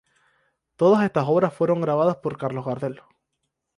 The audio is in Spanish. Todas estas obras fueron grabadas por Carlos Gardel.